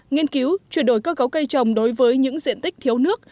nghiên cứu chuyển đổi cơ cấu cây trồng đối với những diện tích thiếu nước